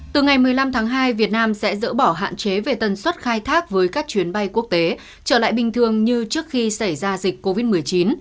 từ ngày một mươi năm tháng hai việt nam sẽ dỡ bỏ hạn chế về tần suất khai thác với các chuyến bay quốc tế trở lại bình thường như trước khi xảy ra dịch covid một mươi chín